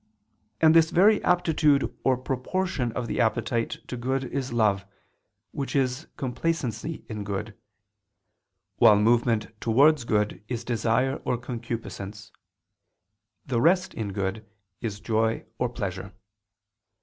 And this very aptitude or proportion of the appetite to good is love, which is complacency in good; while movement towards good is desire or concupiscence; and rest in good is joy or pleasure.